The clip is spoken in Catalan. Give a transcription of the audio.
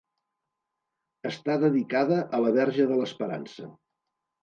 Està dedicada a la Verge de l'Esperança.